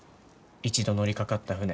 一度乗りかかった船